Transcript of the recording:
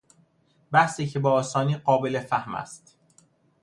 بحثی که به آسانی قابل فهم است